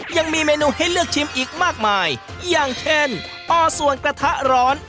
ยังมีเมนูให้เลือกชิมอีกมากมายอย่างเช่นปอส่วนกระทะร้อน